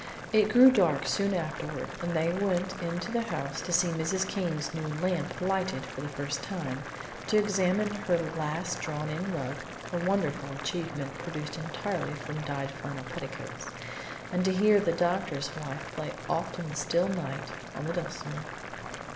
It grew dark soon afterward and they went into the house to see Mrs. Came's new lamp lighted for the first time, to examine her last drawn in rug (a wonderful achievement produced entirely from dyed flannel petticoats), and to hear the doctor's wife play "Oft in the Still Night," on the dulcimer.